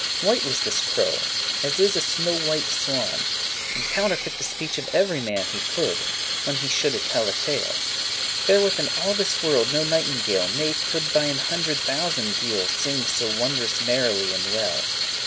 White was this crow, as is a snow white swan, And counterfeit the speech of every man He coulde, when he shoulde tell a tale. Therewith in all this world no nightingale Ne coulde by an hundred thousand deal* *part Singe so wondrous merrily and well.